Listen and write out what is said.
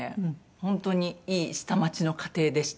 本当にいい下町の家庭でした。